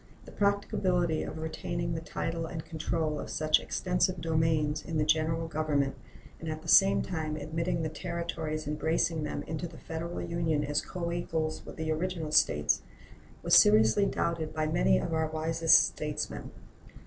The practicability of retaining the title and control of such extensive domains in the General Government, and at the same time admitting the Territories embracing them into the Federal Union as coequals with the original States, was seriously doubted by many of our wisest statesmen.